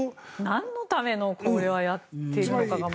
なんのためのこれをやっているのかがもう。